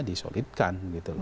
disolidkan gitu loh